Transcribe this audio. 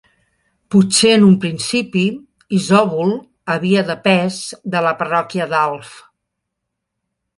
Potser en un principi Isòvol havia depès de la parròquia d'Alf.